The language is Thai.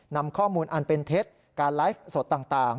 นำข้อมูลอันเป็นเท็จการไลฟ์สดต่าง